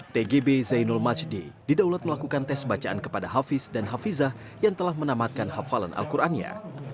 tgb zainul majdi didaulat melakukan tes bacaan kepada hafiz dan hafizah yang telah menamatkan hafalan al qurannya